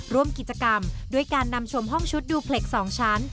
ร่วมกิจกรรมด้วยการนำชมห้องชุดดูเพล็ก๒ชั้น